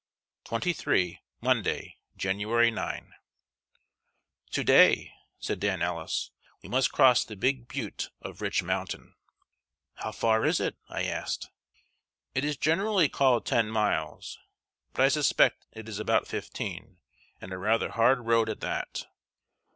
XXIII. Monday, January 9. "To day," said Dan Ellis, "we must cross the Big Butte of Rich Mountain." "How far is it?" I asked. "It is generally called ten miles; but I suspect it is about fifteen, and a rather hard road at that."